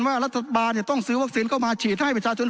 ว่ารัฐบาลต้องซื้อวัคซีนเข้ามาฉีดให้ประชาชน